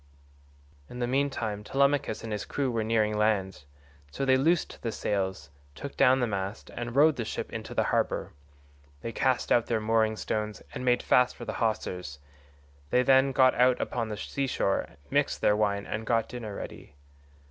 In the mean time Telemachus and his crew were nearing land, so they loosed the sails, took down the mast, and rowed the ship into the harbour.136 They cast out their mooring stones and made fast the hawsers; they then got out upon the sea shore, mixed their wine, and got dinner ready.